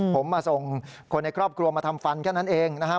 ผมมาส่งคนในครอบครัวมาทำฟันแค่นั้นเองนะครับ